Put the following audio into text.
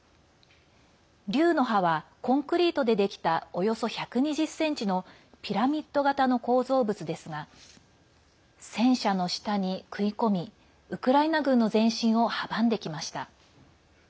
竜の歯は、コンクリートでできたおよそ１２０ｃｍのピラミッド型の構造物ですが戦車の下に食い込みウクライナ軍の前進を阻んできました。